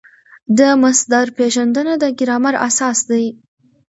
د مصدر پېژندنه د ګرامر اساس دئ.